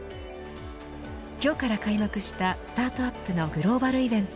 今日から開幕したスタートアップのグローバルイベント